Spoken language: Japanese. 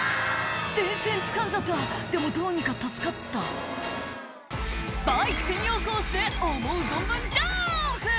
「電線つかんじゃったでもどうにか助かった」「バイク専用コースで思う存分ジャンプ！」